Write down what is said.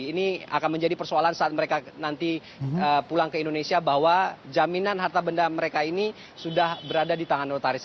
jadi ini akan menjadi persoalan saat mereka pulang ke indonesia bahwa jaminan harta benda mereka ini sudah berada di tangan notaris